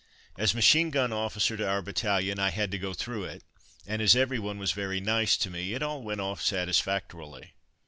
As machine gun officer to our Battalion I had to go through it, and as everyone was very nice to me, it all went off satisfactorily.